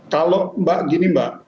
kalau mbak gini mbak